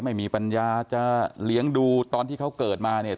ไม่มีปัญญาจะเลี้ยงดูตอนที่เขาเกิดมาเนี่ย